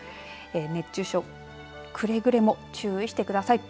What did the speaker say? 熱中症くれぐれも注意してください。